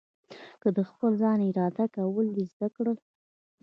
که د خپل ځان اداره کول دې زده کړل.